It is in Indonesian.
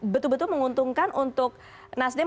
betul betul menguntungkan untuk nasdem